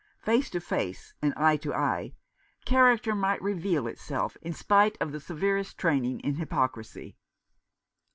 Face to face, and eye to eye, character might reveal itself, in spite of the severest training in hypocrisy.